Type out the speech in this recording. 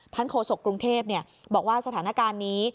โฆษกกรุงเทพบอกว่าสถานการณ์นี้